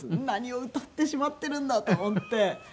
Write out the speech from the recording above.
何を歌ってしまってるんだと思って。